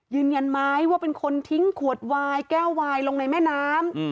ยืนยันไหมว่าเป็นคนทิ้งขวดวายแก้ววายลงในแม่น้ำ